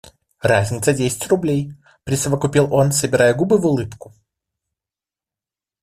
Разница десять рублей, — присовокупил он, собирая губы в улыбку.